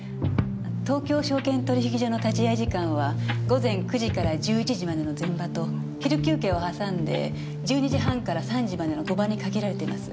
東京証券取引所の立会い時間は午前９時から１１時までの前場と昼休憩を挟んで１２時半から３時までの後場に限られています。